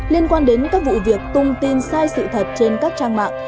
liên quan đến các vụ việc tung tin sai sự thật trên các trang mạng